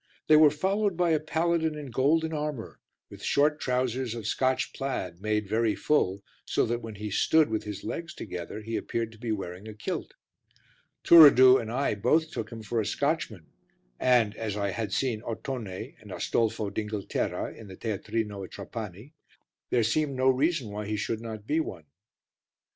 They were followed by a paladin in golden armour with short trousers of Scotch plaid made very full, so that when he stood with his legs together he appeared to be wearing a kilt. Turiddu and I both took him for a Scotchman and, as I had seen Ottone and Astolfo d'Inghilterra in the teatrino at Trapani, there seemed to be no reason why he should not be one.